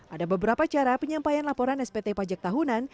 ada beberapa cara penyampaian laporan spt pajak tahunan